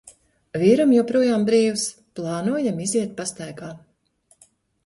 Vīram joprojām brīvs, plānojam iziet pastaigā.